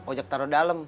ojak taruh dalem